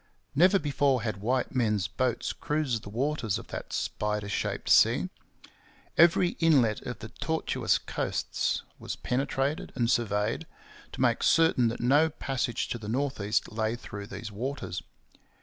Never before had white men's boats cruised the waters of that spider shaped sea. Every inlet of the tortuous coasts was penetrated and surveyed, to make certain that no passage to the north east lay through these waters.